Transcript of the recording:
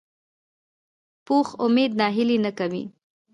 پوخ امید ناهیلي نه کوي